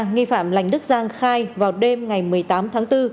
nghi phạm lành đức giang khai vào đêm ngày một mươi tám tháng bốn